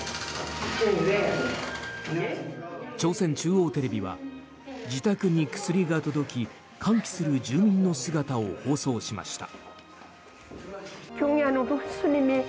朝鮮中央テレビは自宅に薬が届き歓喜する住民の姿を放送しました。